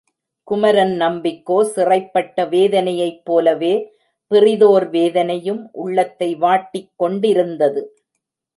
குமரன் நம்பிக்கோ சிறைபட்ட வேதனையைப்போலவே பிறிதோர் வேதனையும் உள்ளத்தை வாட்டிக் கொண்டிருந்தது.